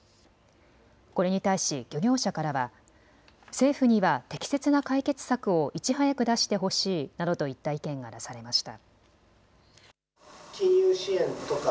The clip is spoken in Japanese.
これに対し漁業者からは政府には適切な解決策をいち早く出してほしいなどといった意見が出されました。